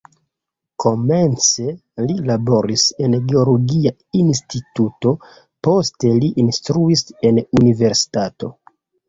Komence li laboris en geologia instituto, poste li instruis en universitato.